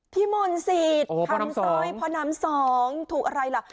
พี่มนต์สิทธิ์คำสร้อยพ่อน้ำสองถูกอะไรล่ะ